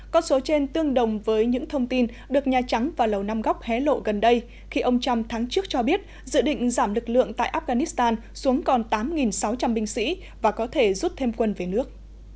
con số trên tương đồng với những thông tin được nhà trắng và lầu năm góc hé lộ gần đây khi ông trump tháng trước cho biết dự định giảm lực lượng tại afghanistan xuống còn tám sáu trăm linh binh sĩ và có thể rút thêm quân về nước